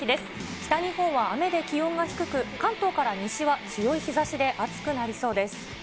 北日本は雨で気温が低く、関東から西は強い日ざしで暑くなりそうです。